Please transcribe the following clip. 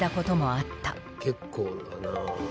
結構だな。